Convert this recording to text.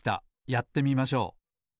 やってみましょう。